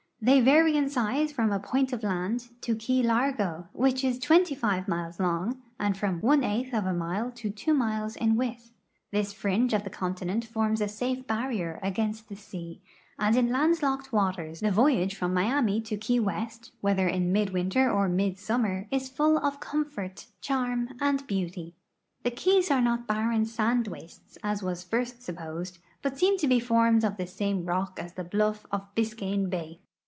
'I'hey vary in size from a point of land to key Largo, wiiich is 2o miles long and from one eighth of a mile to 2 miles in width. This fringe of tlie continent forms a safe barrier against the sea, and in land locked waters the voyage from Miami to Key 394 GEOGRAPHY OF THE SOUTHERN PENINSULA , West, whether in midwinter or midsummer, is full of comfort, charm, and beauty. The ke}'s are not barren sand wastes, as was at first supposed, but seem to be formed of the same rock as the bluff of Biscayne bay.